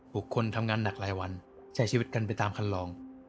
คนทำงานหนักหลายวันใช้ชีวิตกันไปตามคันลอง